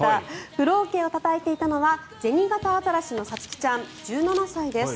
風呂桶をたたいていたのはゼニガタアザラシのさつきちゃん、１７歳です。